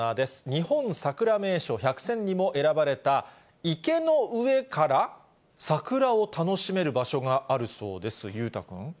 日本さくら名所１００選にも選ばれた、池の上から桜を楽しめる場所があるそうです。